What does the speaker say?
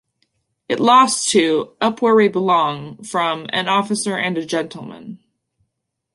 It lost to "Up Where We Belong" from "An Officer and a Gentleman".